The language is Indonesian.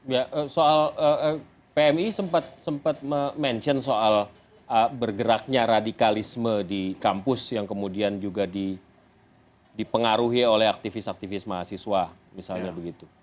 ya soal pmi sempat mention soal bergeraknya radikalisme di kampus yang kemudian juga dipengaruhi oleh aktivis aktivis mahasiswa misalnya begitu